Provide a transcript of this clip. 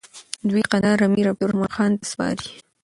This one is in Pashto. دوی کندهار امير عبدالرحمن خان ته سپاري.